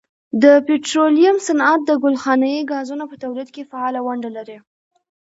د پټرولیم صنعت د ګلخانهیي ګازونو په تولید کې فعاله ونډه لري.